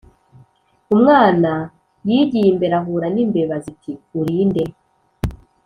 UmwanaYigiye imbere ahura n' imbeba ziti: "Uri nde?"